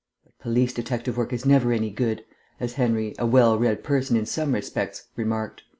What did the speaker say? "But police detective work is never any good," as Henry, a well read person in some respects, remarked.